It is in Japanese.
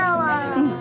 うん。